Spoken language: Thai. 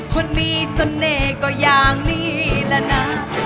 คนมีเสน่ห์ก็อย่างนี้แหละนะ